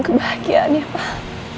kebahagiaan ya pak